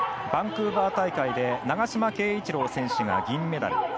バンクーバー大会で長島圭一郎選手が銀メダル。